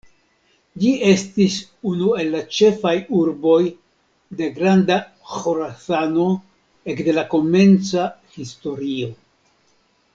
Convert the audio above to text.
Ĝi estis unu el la ĉefaj urboj de Granda Ĥorasano, ekde la komenca historio.